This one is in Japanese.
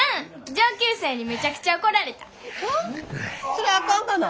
それあかんがな。